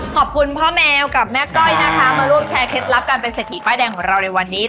ขอบคุณพ่อแมวกับแม่ก้อยนะคะมาร่วมแชร์เคล็ดลับการเป็นเศรษฐีป้ายแดงของเราในวันนี้